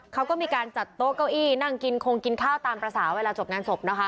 เขาก็มีการจัดโต๊ะเก้าอี้นั่งกินคงกินข้าวตามภาษาเวลาจบงานศพนะคะ